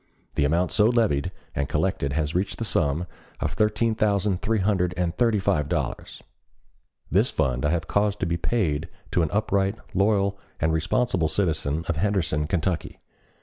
The amount so levied and collected has reached the sum of thirteen thousand three hundred and thirty five ($13,335) dollars. This fund I have caused to be paid over to an upright, loyal, and responsible citizen of Henderson, Kentucky.